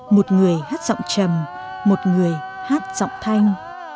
một người hát giọng trầm một người hát giọng thanh